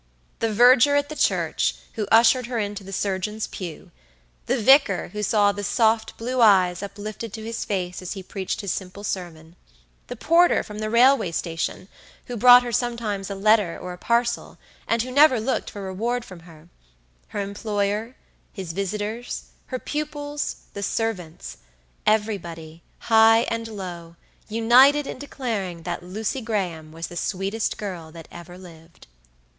The verger at the church, who ushered her into the surgeon's pew; the vicar, who saw the soft blue eyes uplifted to his face as he preached his simple sermon; the porter from the railway station, who brought her sometimes a letter or a parcel, and who never looked for reward from her; her employer; his visitors; her pupils; the servants; everybody, high and low, united in declaring that Lucy Graham was the sweetest girl that ever lived.